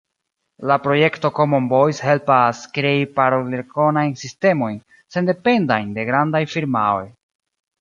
La projekto Common Voice helpas krei parolrekonajn sistemojn, sendependajn de grandaj firmaoj.